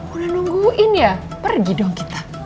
udah nungguin ya pergi dong kita